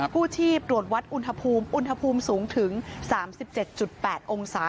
กู้ชีพตรวจวัดอุณหภูมิอุณหภูมิสูงถึง๓๗๘องศา